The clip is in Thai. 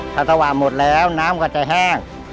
ภาษาวะหมดแล้วน้ำก็จะแห้ง